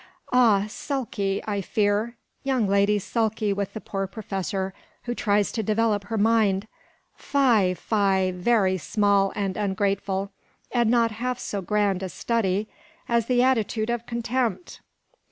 "Ah! sulky, I fear; young lady sulky with the poor Professor, who tries to develop her mind. Fie, fie, very small and ungrateful, and not half so grand a study as the attitude of contempt.